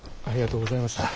ありがとうございます。